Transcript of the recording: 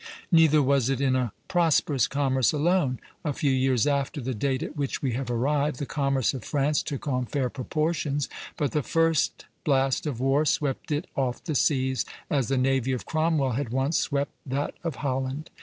Neither was it in a prosperous commerce alone; a few years after the date at which we have arrived, the commerce of France took on fair proportions, but the first blast of war swept it off the seas as the navy of Cromwell had once swept that of Holland.